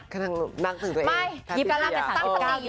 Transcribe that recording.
ขนับนักสึกตัวเองไม่ยิบกำลังแต่๓๙ดีเลย